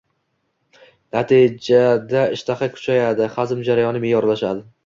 Natijada ishtaha kuchayadi, hazm jarayoni me’yorlashadi.